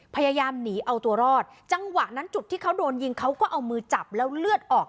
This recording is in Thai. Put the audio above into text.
พยายามหนีเอาตัวรอดจังหวะนั้นจุดที่เขาโดนยิงเขาก็เอามือจับแล้วเลือดออก